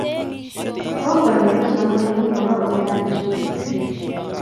bongonii kipsomaninik koba oldaab chokik